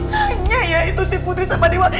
tanya ya itu sih putri sama dewa